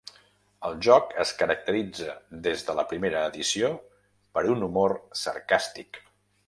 El joc es caracteritza des de la primera edició per un humor sarcàstic.